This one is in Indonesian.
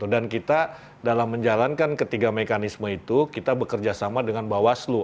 dan kita dalam menjalankan ketiga mekanisme itu kita bekerja sama dengan bawaslu